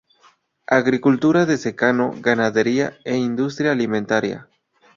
Agricultura de secano, ganadería e industria alimentaria.